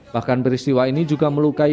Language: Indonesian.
bahkan peristiwa ini juga melukai